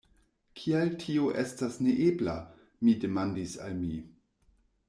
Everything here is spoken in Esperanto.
"Kial tio estas neebla?" mi demandis al mi.